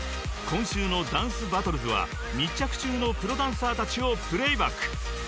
［今週の『ダンスバトルズ』は密着中のプロダンサーたちをプレーバック］